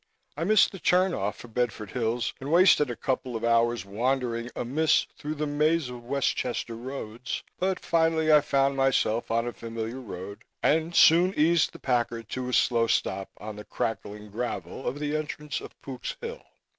I missed the turn off for Bedford Hills and wasted a couple of hours wandering amiss through the maze of Westchester roads, but finally I found myself on a familiar road and soon eased the Packard to a slow stop on the crackling gravel of the entrance of Pook's Hill.